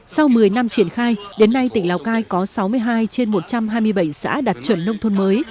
sau một mươi năm triển khai đến nay tỉnh lào cai có sáu mươi hai trên một trăm hai mươi bảy xã đạt chuẩn nông thôn mới